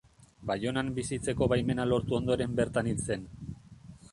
Baionan bizitzeko baimena lortu ondoren bertan hil zen.